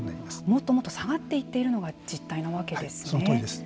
もっともっと下がっていっているのがそのとおりです。